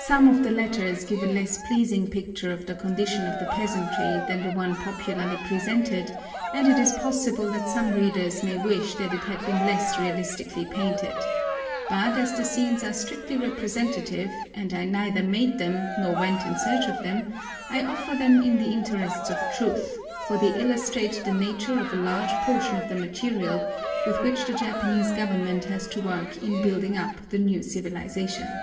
Some of the Letters give a less pleasing picture of the condition of the peasantry than the one popularly presented, and it is possible that some readers may wish that it had been less realistically painted; but as the scenes are strictly representative, and I neither made them nor went in search of them, I offer them in the interests of truth, for they illustrate the nature of a large portion of the material with which the Japanese Government has to work in building up the New Civilisation.